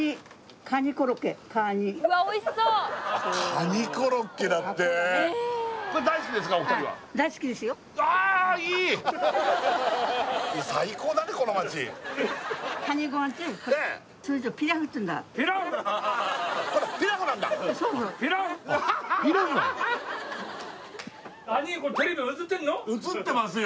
カニ映ってますよ